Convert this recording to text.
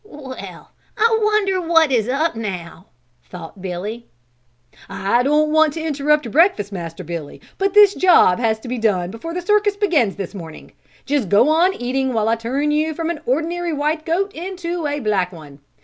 "Well, I wonder what is up now," thought Billy. "I don't want to interrupt your breakfast, Master Billy, but this job has to be done before the circus begins this morning. Just go on eating while I turn you from an ordinary white goat into a black one.